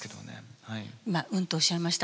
今運とおっしゃいました。